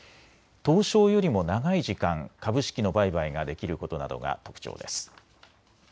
東証よりも長い時間、株式の売買ができることなどが特徴です。